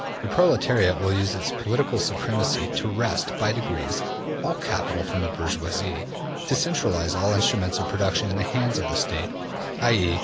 The proletariat will use its political supremacy to wrest, by degrees, all capital from the bourgeoisie, to centralize all instruments of production in the hands of the State, i.e.